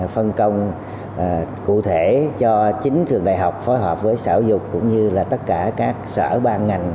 phân công cụ thể cho chính trường đại học phối hợp với sở dục cũng như tất cả các sở ban ngành